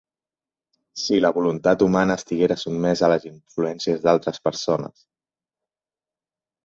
...si la voluntat humana estiguera sotmesa a les influències d'altres persones.